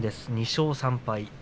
２勝３敗。